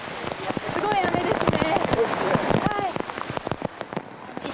すごい雨ですね。